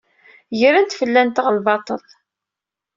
Gren-d fell-anteɣ lbaṭel.